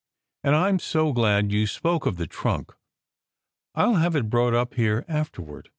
And I m so glad you spoke of the trunk. I ll have it brought up here afterward.